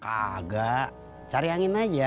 kagak cari angin aja